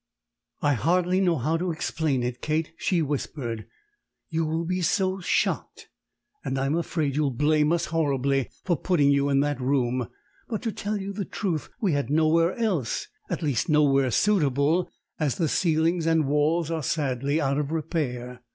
"I hardly know how to explain it, Kate," she whispered, "you will be so shocked! and I'm afraid you will blame us horribly for putting you in that room; but, to tell you the truth, we had nowhere else at least nowhere suitable, as the ceilings and walls are sadly out of repair.